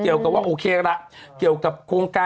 พี๊กใบพี๊กใช่